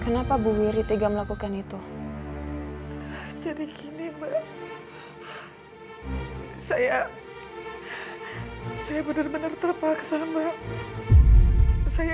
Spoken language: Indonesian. kenapa bu wiri tiga melakukan itu jadi gini mbak saya saya bener bener terpaksa mbak saya